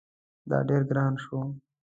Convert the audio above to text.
دا ډیر ګران شو